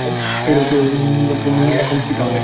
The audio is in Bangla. তো, তুমি এখন কী তাহলে?